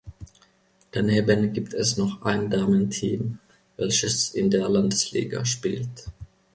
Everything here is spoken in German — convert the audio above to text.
Daneben gibt es noch ein Damenteam, welches in der Landesliga spielt.